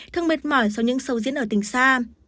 thương mệt mỏi sau những sâu diễn ở tình xa